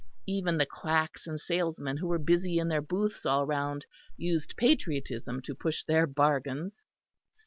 Even the quacks and salesmen who were busy in their booths all round used patriotism to push their bargains.